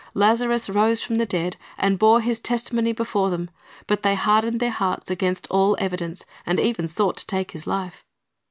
Lazarus rose from the dead, and bore his testimony before them, but they hardened their hearts against all evidence, and even sought to take his life.